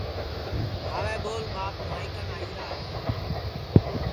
ہاوے ٻول ٻاپ نواہئی کن آئیرا ہے